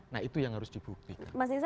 nah itu yang harus dibuktikan